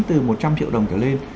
từ một trăm linh triệu đồng trở lên